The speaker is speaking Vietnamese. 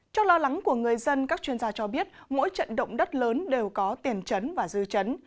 trong lo lắng của người dân các chuyên gia cho biết mỗi trận động đất lớn đều có tiền chấn và dư chấn